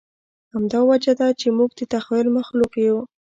همدا وجه ده، چې موږ د تخیل مخلوق یو.